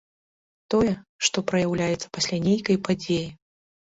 Тое, што праяўляецца пасля нейкай падзеі.